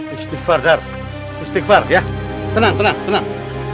istighfar dar istighfar ya tenang tenang tenang